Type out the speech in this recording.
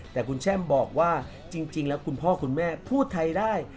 แต่คุณแช่มบอกว่าจริงแล้วคุณพ่อคุณแม่พูดไทยได้